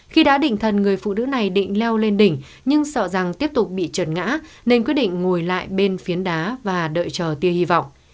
khi đã định thần người phụ nữ này định leo lên đỉnh nhưng sợ rằng tiếp tục bị trần ngã nên quyết định ngồi lại bên phiến đá và đợi chờ tia hy vọng